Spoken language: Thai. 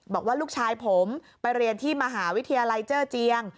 บอกว่าลูกชายผมไปเรียนที่มหาวิทยาลัยเจอร์เจียง